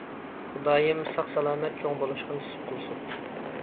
خۇدايىم ساق-سالامەت چوڭ بولۇشقا نېسىپ قىلسۇن.